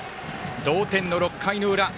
同点の６回の裏。